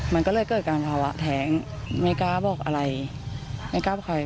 มันก็เลยเกิดการภาวะแท้งไม่กล้าบอกอะไรไม่กล้าบอกใคร